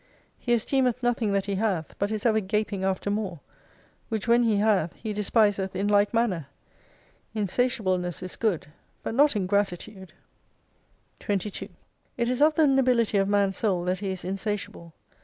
He esteemeth nothing that he hath, but is ever gaping after more : which when he hath he despiseth in like manner. Insatiableness is good, but not ingratitude. 22 It is of the nobility of man's soul that he is insatiable.